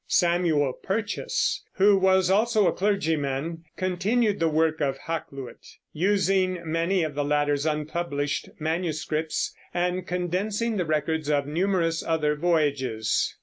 Samuel Purchas, who was also a clergyman, continued the work of Hakluyt, using many of the latter's unpublished manuscripts and condensing the records of numerous other voyages.